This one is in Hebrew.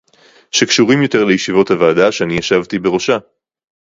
שקשורים יותר לישיבת הוועדה שאני ישבתי בראשה